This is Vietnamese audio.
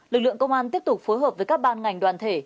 lực lượng công an tiếp tục phối hợp với các ban ngành đoàn thể